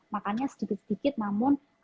makannya sedikit sedikit namun